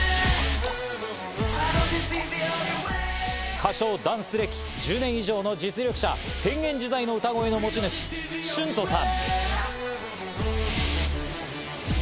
歌唱、ダンス歴１０年以上の実力者、変幻自在の歌声の持ち主、シュントさん。